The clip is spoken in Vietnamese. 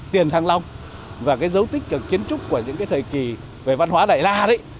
tiền thăng long và cái dấu tích kiến trúc của những cái thời kỳ về văn hóa đại la đấy